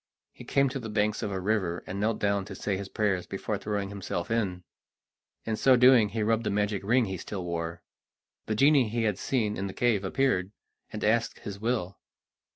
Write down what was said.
He came to the banks of a river, and knelt down to say his prayers before throwing himself in. In so doing he rubbed the magic ring he still wore. The genie he had seen in the cave appeared, and asked his will.